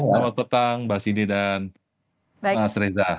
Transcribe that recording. selamat petang mbak sidi dan mas reza